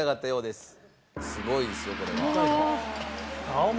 すごいですよこれは。北海道？